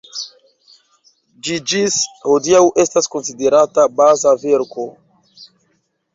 Ĝi ĝis hodiaŭ estas konsiderata baza verko.